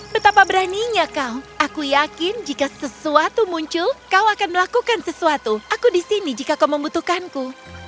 betapa beraninya kau aku yakin jika sesuatu muncul kau akan melakukan sesuatu aku di sini jika kau membutuhkanku